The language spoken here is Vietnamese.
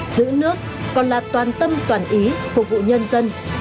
giữ nước còn là toàn tâm toàn ý phục vụ nhân dân